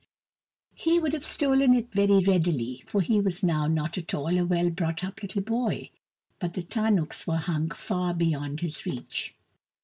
He would have stolen it very readily, for he was now not at all a well brought up little boy, but the tarnuks were hung far beyond his reach.